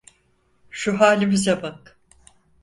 Şu halimize bak.